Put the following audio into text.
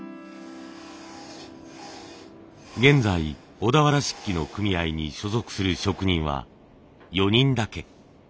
現在小田原漆器の組合に所属する職人は４人だけ。